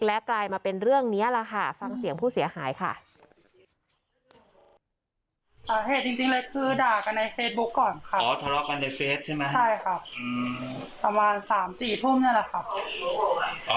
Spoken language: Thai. ชะลอกกันในเฟซใช่ไหมใช่ค่ะอืมสำหรับสามสี่ทุ่มนี่แหละค่ะ